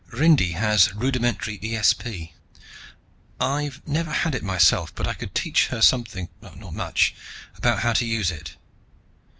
"Rindy has rudimentary ESP. I've never had it myself, but I could teach her something not much about how to use it.